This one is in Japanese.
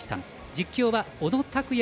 実況は小野卓哉